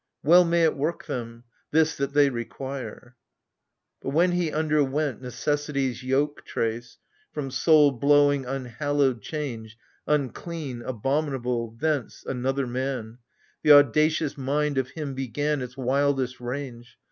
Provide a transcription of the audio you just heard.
Well may it work them — this that they require !" But when he underwent necessity's Yoke trace, — from soul blowing unhallowed change Unclean, abominable, — thence — another man — The audacious mind of him began Its wildest range.